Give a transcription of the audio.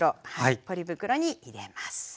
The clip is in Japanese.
ポリ袋に入れます。